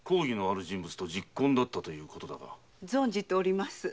存じております。